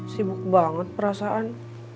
sibuk banget perasaan